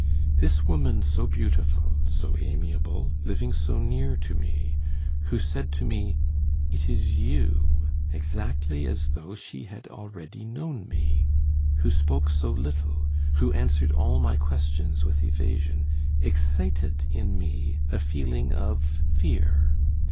This woman so beautiful, so amiable, living so near to me, who said to me, 'It is you,' exactly as though she had already known me, who spoke so little, who answered all my questions with evasion, excited in me a feeling of fear.